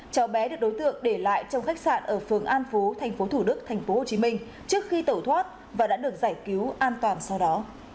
cháu bé được đối tượng để lại trong khách sạn ở phường an phú tp thủ đức tp hcm trước khi tẩu thoát và đã được giải cứu an toàn sau đó